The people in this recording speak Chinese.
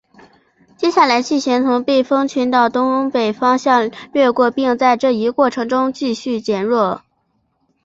接下来气旋从背风群岛东北方向掠过并在这一过程中继续逐渐减弱。